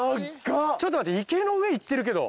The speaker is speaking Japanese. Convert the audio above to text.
ちょっと待って池の上いってるけど。